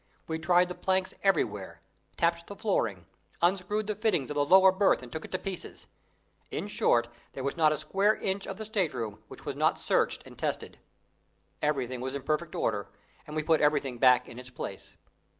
We tried the planks everywhere, tapped the flooring, unscrewed the fittings of the lower berth and took it to pieces in short, there was not a square inch of the state room which was not searched and tested. Everything was in perfect order, and we put everything back in its place.